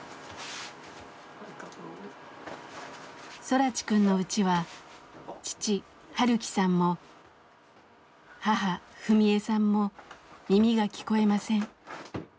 空知くんのうちは父晴樹さんも母史恵さんも耳が聞こえません。